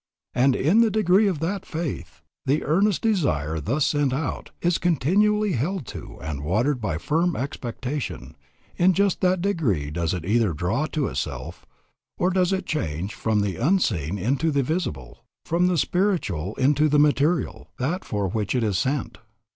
And in the degree that faith, the earnest desire thus sent out, is continually held to and watered by firm expectation, in just that degree does it either draw to itself, or does it change from the unseen into the visible, from the spiritual into the material, that for which it is sent.